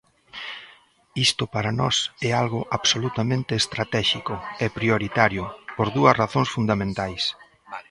Isto para nós é algo absolutamente estratéxico e prioritario por dúas razóns fundamentais.